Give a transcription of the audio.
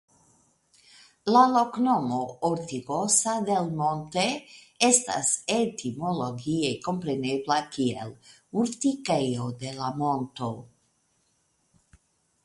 La loknomo "Ortigosa del Monte" estas etimologie komprenebla kiel Urtikejo de la Monto.